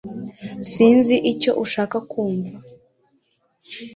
Sinzi icyo ushaka kumva